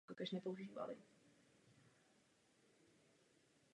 Nejsem zodpovědná za to, co říká Tony Blair.